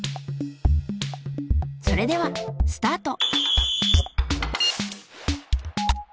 それではスタート。